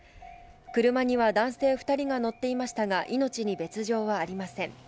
車には男性２人が乗っていましたが、命に別状はありません。